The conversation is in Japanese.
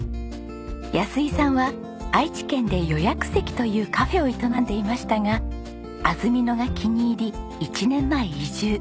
安井さんは愛知県で「予約席」というカフェを営んでいましたが安曇野が気に入り１年前移住。